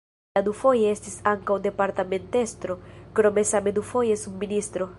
Li dufoje estis ankaŭ departementestro, krome same dufoje subministro.